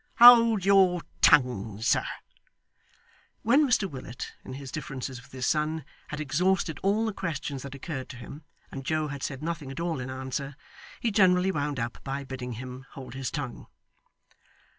Hold your tongue, sir.' When Mr Willet, in his differences with his son, had exhausted all the questions that occurred to him, and Joe had said nothing at all in answer, he generally wound up by bidding him hold his tongue.